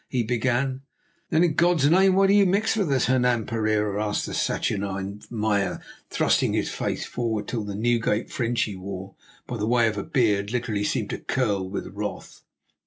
he began. "Then in God's name why do you mix with us, Hernan Pereira?" asked the saturnine Meyer, thrusting his face forward till the Newgate fringe he wore by way of a beard literally seemed to curl with wrath.